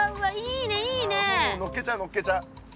のっけちゃうのっけちゃう。